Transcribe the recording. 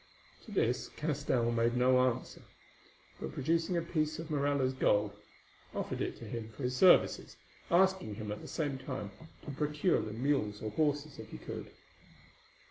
To this Castell made no answer, but producing a piece of Morella's gold, offered it to him for his services, asking him at the same time to procure them mules or horses, if he could.